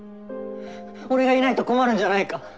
俺がいないと困るんじゃないか？